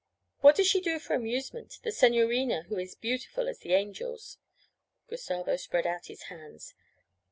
What does she do for amusement the signorina who is beautiful as the angels?' Gustavo spread out his hands.